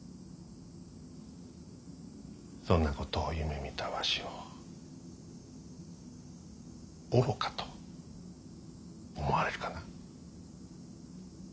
そんなことを夢みたわしを愚かと思われるかな。